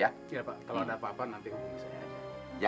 iya pak kalau ada apa apa nanti saya ajak